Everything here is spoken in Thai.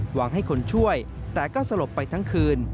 หวังให้คนช่วยแต่ก็สลบไปทั้งคืน